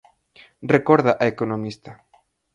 Recorda a economista.